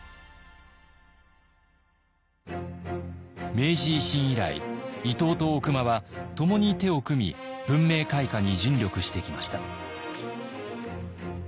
明治維新以来伊藤と大隈はともに手を組み文明開化に尽力してきました。